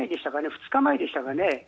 ２日前でしたかね